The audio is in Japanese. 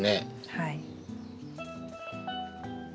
はい。